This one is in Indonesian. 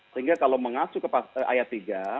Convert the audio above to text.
sehingga kalau mengacu ke ayat tiga